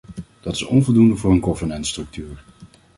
Dat is onvoldoende voor een governance-structuur.